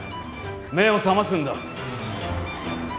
目を覚ますんだ！